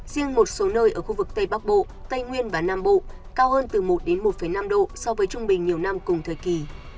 riêng một số nơi ở khu vực tây bắc bộ tây nguyên và nam bộ cao hơn từ một đến một năm độ so với trung bình nhiều năm cùng thời kỳ